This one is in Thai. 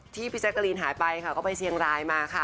พี่แจ๊กกะรีนหายไปค่ะก็ไปเชียงรายมาค่ะ